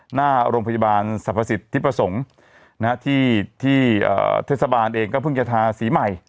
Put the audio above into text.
หน้าโรงพยาบาลสรรพสิทธิประสงค์ที่เทศบาลเองก็เพิ่งจะทาสีใหม่